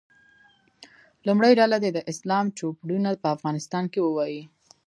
لومړۍ ډله دې د اسلام چوپړونه په افغانستان کې ووایي.